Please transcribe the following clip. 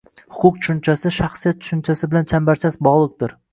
«Huquq» tushunchasi «shaxsiyat» tushunchasi bilan chambarchas bog‘liqdir.